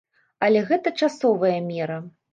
Але гэта часовая мера.